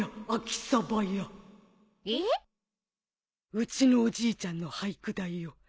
うちのおじいちゃんの俳句だよ。